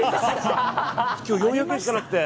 今日４００円しかなくて。